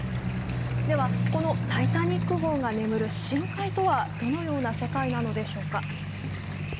では「タイタニック」号が眠る深海とはどのような世界なのでしょうか。